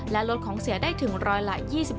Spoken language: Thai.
และลดของเสียได้ถึงร้อยละ๒๕